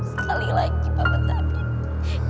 sekali lagi pak mantabib